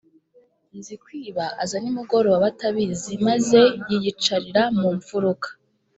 Nzikwiba aza nimugoroba batabizi, maze yiyicarira mu mfuruka